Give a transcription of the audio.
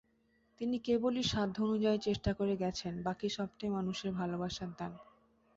তিনি কেবলই সাধ্য অনুযায়ী চেষ্টা করে গেছেন, বাকি সবটাই মানুষের ভালোবাসার দান।